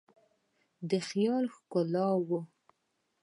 د خیال ښکالو